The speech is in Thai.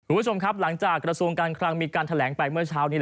คุณผู้ชมครับหลังจากกระทรวงการคลังมีการแถลงไปเมื่อเช้านี้